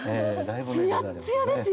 つやっつやですよ。